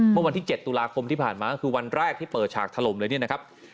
เมื่อวันที่๗ตุลาคมที่ผ่านมาก็คือวันแรกที่เปิดฉากถล่มเลยเนี่ยนะครับ